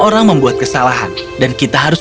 orang membuat kesalahan dan kita harus